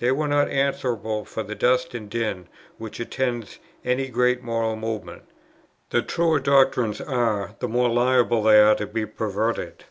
"They were not answerable for the dust and din which attends any great moral movement. The truer doctrines are, the more liable they are to be perverted."